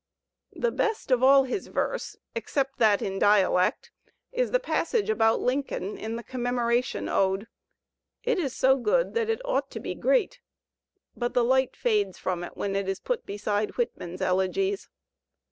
The best of all his verse, except that in dialect, is the passage about Lincoln in the "Commemoration Ode"; it is so good that it ought to be great, but the light fades from it when it is put beside Whitman's elegies.